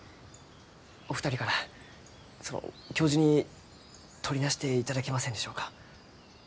お二人からその教授にとりなしていただけませんでしょうか？